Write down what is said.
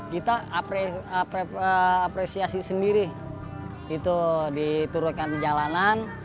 kita apresiasi sendiri itu diturunkan di jalanan